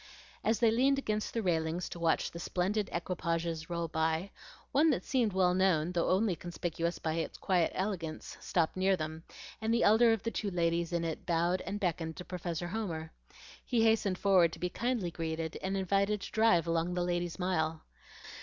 As they leaned against the railing to watch the splendid equipages roll by, one that seemed well known, though only conspicuous by its quiet elegance, stopped near them, and the elder of the two ladies in it bowed and beckoned to Professor Homer. He hastened forward to be kindly greeted and invited to drive along the Ladies' Mile.